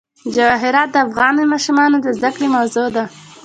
جواهرات د افغان ماشومانو د زده کړې موضوع ده.